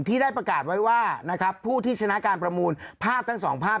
ที่ได้ประกาศไว้ว่านะครับผู้ที่ชนะการประมูลภาพทั้งสองภาพ